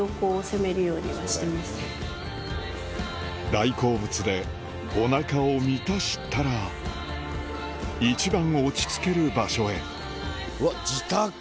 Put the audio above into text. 大好物でお腹を満たしたら一番落ち着ける場所へうわ自宅！